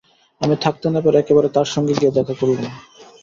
আমি থাকতে না পেরে একেবারে তার সঙ্গে গিয়ে দেখা করলুম।